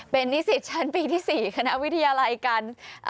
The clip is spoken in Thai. เป็นนิสิตชั้นปีที่๔คณะวิทยาลัยการ